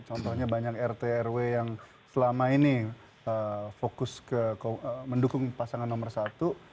contohnya banyak rt rw yang selama ini fokus mendukung pasangan nomor satu